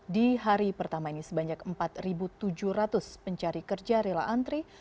di hari pertama ini sebanyak empat tujuh ratus pencari kerja rela antri